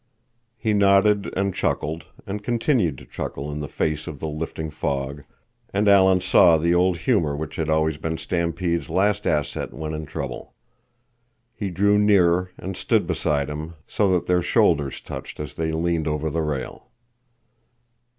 He nodded and chuckled, and continued to chuckle in the face of the lifting fog, and Alan saw the old humor which had always been Stampede's last asset when in trouble. He drew nearer and stood beside him, so that their shoulders touched as they leaned over the rail.